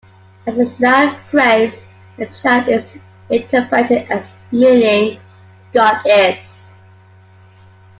As a noun phrase, the chant is interpreted as meaning "God is".